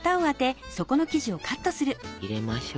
入れましょう。